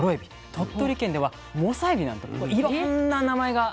鳥取県ではモサエビなんていろんな名前があるんですね。